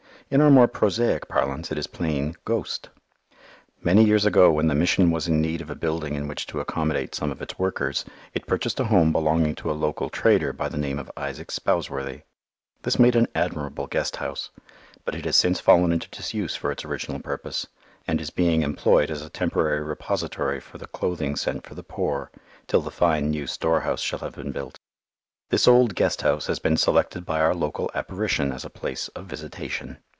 In our more prosaic parlance it is plain "ghost." Many years ago when the Mission was in need of a building in which to accommodate some of its workers, it purchased a house belonging to a local trader by the name of Isaac Spouseworthy. This made an admirable Guest House; but it has since fallen into disuse for its original purpose, and is being employed as a temporary repository for the clothing sent for the poor, till the fine new storehouse shall have been built. This old Guest House has been selected by our local apparition as a place of visitation.